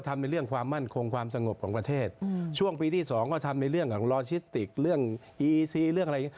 มันมีหลายอย่างนะฮะที่